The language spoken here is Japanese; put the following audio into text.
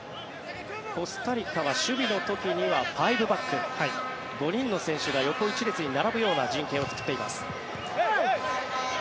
コスタリカは守備の時には５バック、５人の選手が横一列に並ぶような陣形を作っています。